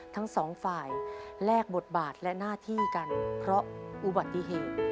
ทั้งสองฝ่ายแลกบทบาทและหน้าที่กันเพราะอุบัติเหตุ